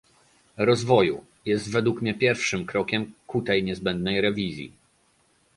Rozwoju, jest według mnie pierwszym krokiem ku tej niezbędnej rewizji